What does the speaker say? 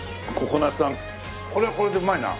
これはこれでうまいな。